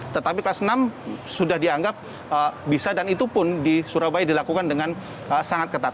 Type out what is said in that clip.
tetapi kelas enam sudah dianggap bisa dan itu pun di surabaya dilakukan dengan sangat ketat